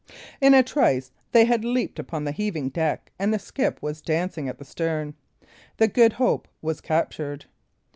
In a trice they had leaped upon the heaving deck, and the skiff was dancing at the stern. The Good Hope was captured.